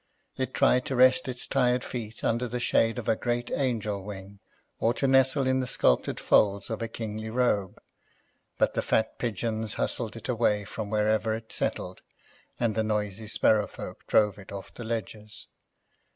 It tried to rest its tired feet under the shade of a great angel wing or to nestle in the sculptured folds of a kingly robe, but the fat pigeons hustled it away from wherever it settled, and the noisy sparrow folk drove it off the ledges.